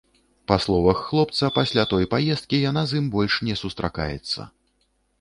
Па словах хлопца, пасля той паездкі яна з ім больш не сустракаецца.